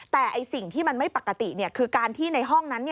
แต่สิ่งที่มันไม่ปกติคือการที่ในห้องนั้น